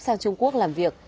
sang trung quốc làm việc